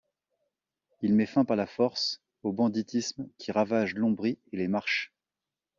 Il met fin par la force au banditisme qui ravage l'Ombrie et les Marches.